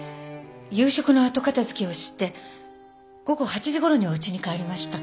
夕食の後片付けをして午後８時ごろにはうちに帰りました。